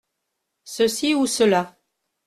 Ceci ou cela.